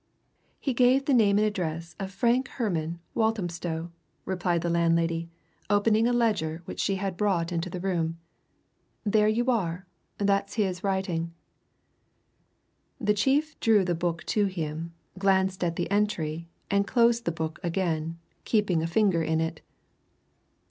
"He gave the name and address of Frank Herman, Walthamstow," replied the landlady, opening a ledger which she had brought into the room. "There you are that's his writing." The chief drew the book to him, glanced at the entry, and closed the book again, keeping a finger in it.